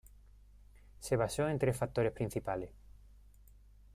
Se basó en tres factores principales.